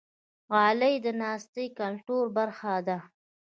غالۍ د ناستې کلتور برخه ده.